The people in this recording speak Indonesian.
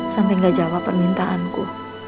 sampai gak jawab permintaanku